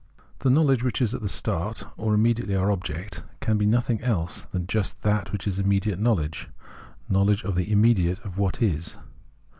THE knowledge, which is at the start or iromediately our object, can be nothing else than just that which is immediate knowledge, knowledge of the im mediate, of what is.